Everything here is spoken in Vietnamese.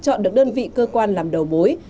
chọn được đơn vị cơ quan làm đầu bối